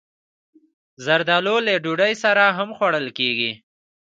زردالو له ډوډۍ سره هم خوړل کېږي.